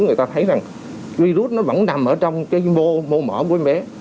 người ta thấy rằng virus nó vẫn nằm ở trong cái mô mỏ của em bé